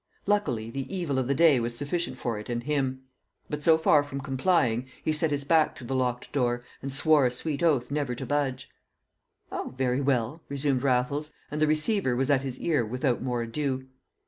Luckily, the evil of the day was sufficient for it and him; but so far from complying, he set his back to the locked door and swore a sweet oath never to budge. "Oh, very well!" resumed Raffles, and the receiver was at his ear without more ado.